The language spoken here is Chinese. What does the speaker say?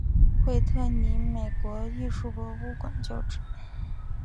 惠特尼美国艺术博物馆旧址。